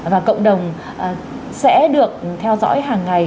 và cộng đồng sẽ được theo dõi hàng ngày